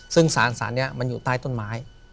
ซึ่งสารสารนี้มันอยู่ใต้ต้นไม้